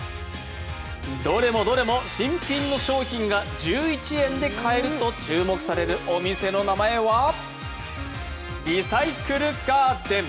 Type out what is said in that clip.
どれもどれも新品の商品が１１円で買えると注目されるお店の名前はリサイクルガーデン。